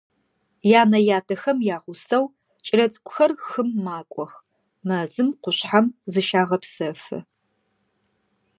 Янэ-ятэхэм ягъусэу кӏэлэцӏыкӏухэр хым макӏох, мэзым, къушъхьэм зыщагъэпсэфы.